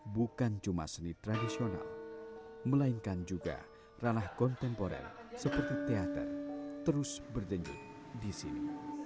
bukan cuma seni tradisional melainkan juga ranah kontemporer seperti teater terus berdenyut di sini